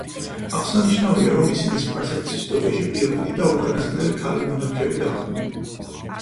აღსანიშნავია, რომ ისინი სპარსეთის ისტორიაში პირველი და უკანასკნელი ქალი მონარქები გახდნენ.